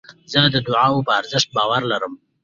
زه د دؤعا په ارزښت باور لرم.